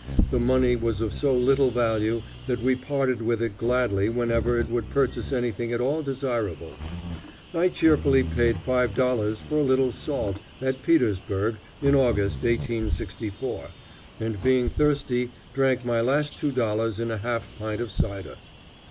The money was of so little value that we parted with it gladly whenever it would purchase anything at all desirable. I cheerfully paid five dollars for a little salt, at Petersburg, in August, 1864, and being thirsty drank my last two dollars in a half pint of cider.